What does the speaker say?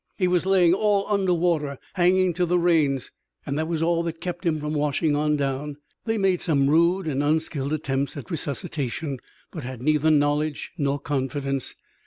He was laying all under water, hanging to the reins, and that was all that kept him from washing on down." They made some rude and unskilled attempt at resuscitation, but had neither knowledge nor confidence.